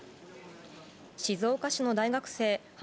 静岡市の大学生花